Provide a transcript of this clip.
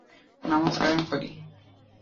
নামায কায়েম করি।